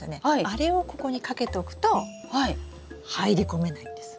あれをここにかけとくと入り込めないんです。